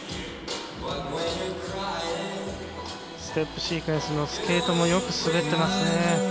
ステップシークエンスのスケートもよく滑ってますね。